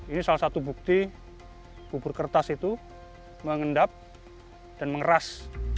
ini salah satu bukti kubur kertas itu mengendap dan mengeras